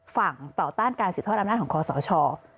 ฝั่งต่อต้านการศิษย์ทอดรำนาคมของคศช